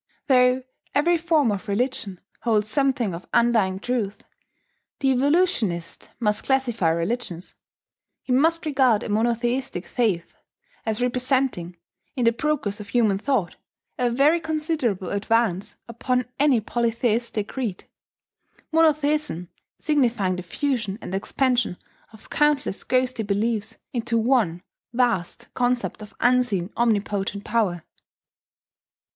Though every form of religion holds something of undying truth, the evolutionist must classify religions. He must regard a monotheistic faith as representing, in the progress of human thought, a very considerable advance upon any polytheistic creed; monotheism signifying the fusion and expansion of countless ghostly beliefs into one vast concept of unseen omnipotent power.